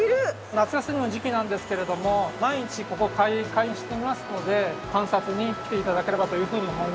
夏休みの時期なんですけれども毎日ここ開館していますので観察に来て頂ければというふうに思います。